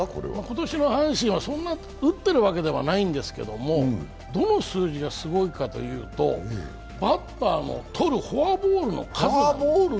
今年の阪神はそんなに打ってるわけではないんですけどもどの数字がすごいかというとバッターの取るフォアボールの数。